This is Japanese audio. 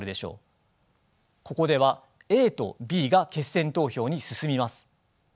ここではＡとＢが決選投票に進みます。